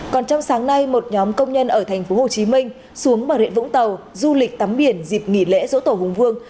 còn trong sáng nay một nhóm công nhân ở tp hcm xuống bà rịa vũng tàu du lịch tắm biển dịp nghỉ lễ dỗ tổ hùng vương